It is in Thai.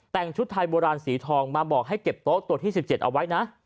แต่งชุดไทยโบราณสีทองมาบอกให้เก็บโต๊ะตัวที่๑๗เอาไว้นะ